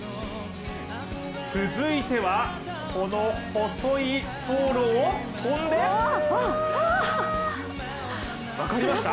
続いては、この細い走路を飛んで分かりました？